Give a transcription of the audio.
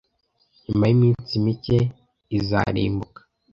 nyuma yiminsi mike izarimbuka